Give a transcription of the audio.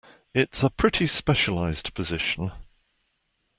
It's a pretty specialized position.